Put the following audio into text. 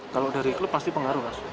kalau dari klub pasti pengaruh mas